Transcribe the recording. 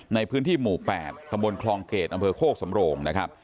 ในพื้นที่หมู่๘กระบวนคลองเกรดอำเภอโฆกสำโรง